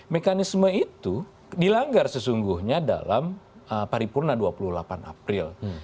mekanisme itu dilanggar sesungguhnya dalam paripurna dua puluh delapan april